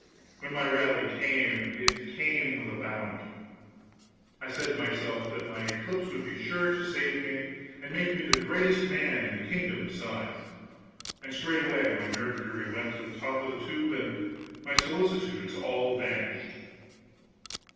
When my rally came, it came with a bound. I said to myself that my eclipse would be sure to save me, and make me the greatest man in the kingdom besides; and straightway my mercury went up to the top of the tube, and my solicitudes all vanished.